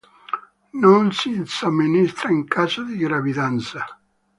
Non si somministra in caso di gravidanza.